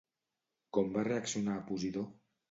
Com va reaccionar Posidó?